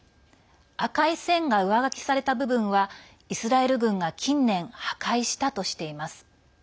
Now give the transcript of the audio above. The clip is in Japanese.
赤い線が上書きされた部分はイスラエル軍が近年破壊したとしています。